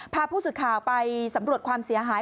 พาผู้สื่อข่าวไปสำรวจความเสียหาย